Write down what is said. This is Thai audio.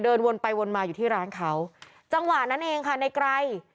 เดินวนไปวนมาอยู่ที่ร้านเขาจังหวะนั้นเองค่ะในไกร